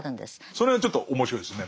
その辺はちょっと面白いですね